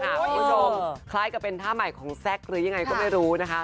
คุณผู้ชมคล้ายกับเป็นท่าใหม่ของแซคหรือยังไงก็ไม่รู้นะคะ